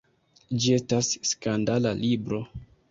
Ĝi estas skandala libro.